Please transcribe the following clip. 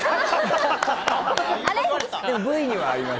でもＶにはあります。